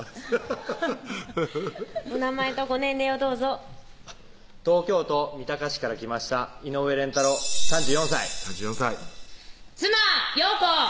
ハハハハッお名前とご年齢をどうぞ東京都三鷹市から来ました井上連太郎３４歳妻・葉子！